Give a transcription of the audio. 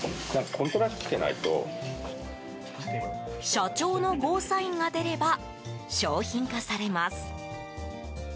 社長のゴーサインが出れば商品化されます。